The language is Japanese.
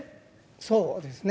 そうですね。